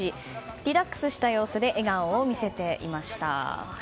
リラックスした様子で笑顔を見せていました。